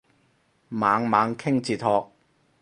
猛猛傾哲學